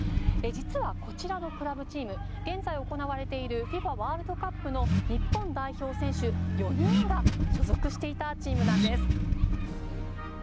実は、こちらのクラブチーム現在、行われているＦＩＦＡワールドカップの日本代表選手４人が所属していたチームなんです。